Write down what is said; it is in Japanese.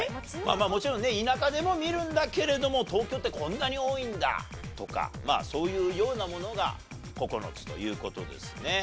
まあもちろんね田舎でも見るんだけれども東京ってこんなに多いんだ！とかまあそういうようなものが９つという事ですね。